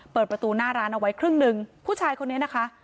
เปิดประตูหน้าร้านเอาไว้ครึ่งหนึ่งผู้ชายคนนี้นะคะ